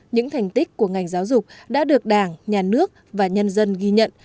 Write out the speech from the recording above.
những thành tích của ngành giáo dục đã được đảng nhà nước và nhân dân ghi nhận